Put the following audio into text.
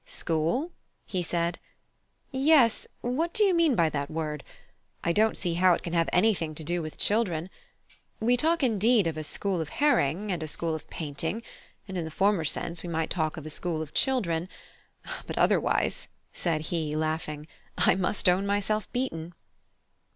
"School?" he said; "yes, what do you mean by that word? I don't see how it can have anything to do with children. We talk, indeed, of a school of herring, and a school of painting, and in the former sense we might talk of a school of children but otherwise," said he, laughing, "I must own myself beaten."